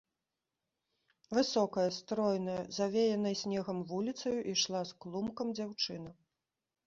Высокая, стройная, завеянай снегам вуліцаю ішла з клумкам дзяўчына.